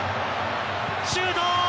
シュート。